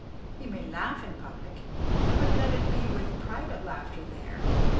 He may laugh in public, but let it be with private laughter there.